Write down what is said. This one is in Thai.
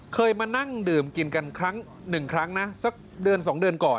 เคยมานั่งดื่มกินกันครั้งหนึ่งครั้งนะสักเดือน๒เดือนก่อน